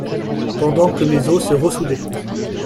Pendant que mes os se ressoudaient.